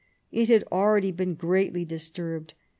It had already been greatly disturbed.